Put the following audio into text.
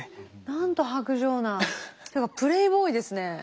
なんと薄情な。というかプレーボーイですね。